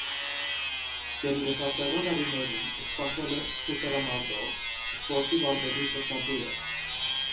Երիտասարդական տարիներին զբաղվել է սուսերամարտով, սպորտի վարպետի թեկնածու է։